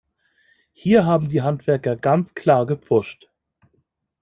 Hier haben die Handwerker ganz klar gepfuscht.